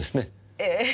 ええ。